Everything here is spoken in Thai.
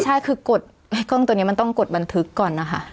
ใช่คือกดไอ้กล้องตัวนี้มันต้องกดบันทึกก่อนนะคะ